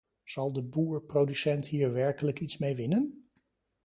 Zal de boer-producent hier werkelijk iets mee winnen?